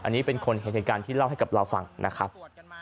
อันนี้เป็นคนเห็นเหตุการณ์ที่เล่าให้กับเราฟังนะครับ